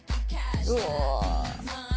うわ！